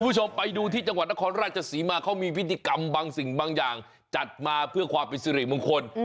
คุณผู้ชมไปดูที่จังหวัดนครราชศรีมาเขามีพิธีกรรมบางสิ่งบางอย่างจัดมาเพื่อความเป็นสิริมงคล